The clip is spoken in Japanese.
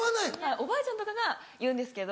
おばあちゃんとかが言うんですけど。